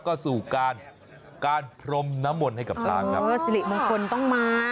ก็สู่การพรมนมนท์ให้กับช้าง